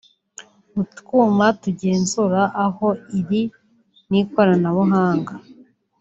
utwuma tugenzura aho iri n’ ikoranabuhanga